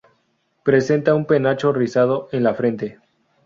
Presenta un penacho rizado en la frente.